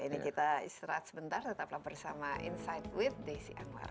ini kita istirahat sebentar tetaplah bersama insight with desi anwar